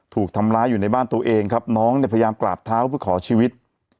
ถูกทำร้ายอยู่ในบ้านตัวเองครับน้องเนี่ยพยายามกราบเท้าเพื่อขอชีวิต